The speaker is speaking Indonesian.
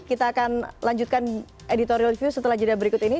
kita akan lanjutkan editorial view setelah jeda berikut ini